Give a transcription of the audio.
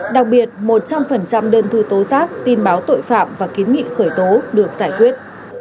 đặc biệt một trăm linh đơn thư tố giác tin báo tội phạm và kiến nghị khởi tố được giải quyết